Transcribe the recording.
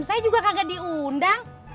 saya juga kagak diundang